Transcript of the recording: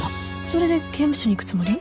それで刑務所に行くつもり？